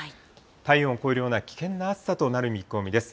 体温を超えるような危険な暑さとなる見込みです。